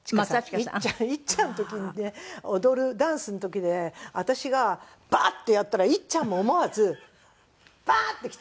いっちゃん。いっちゃんの時にね踊るダンスの時で私がバッてやったらいっちゃんも思わずバッてきたんですよ。